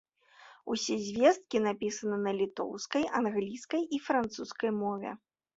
Усе звесткі напісаны на літоўскай, англійскай, і французскай мове.